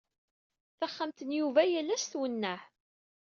Taxxamt n Yuba yal ass twenneɛ.